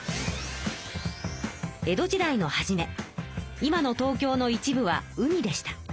江戸時代の初め今の東京の一部は海でした。